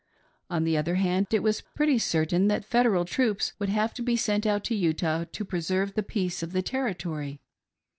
On the other hand it was pretty certain that Federal troops would have to be sent out to Utah to preserve the peace of the Territory.